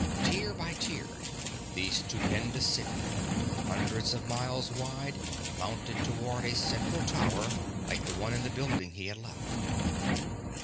Tier by tier the stupendous city, hundreds of miles wide, mounted toward a central tower like the one in the building he had left.